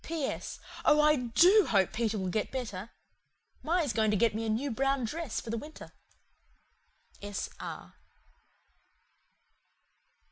"P.S. Oh I DO hope Peter will get better. Ma is going to get me a new brown dress for the winter. "S. R."